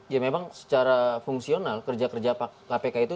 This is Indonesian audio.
ya memang secara fungsional kerja kerja kpk itu